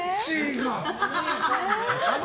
が